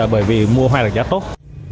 bởi vì mua hoa là giá tốt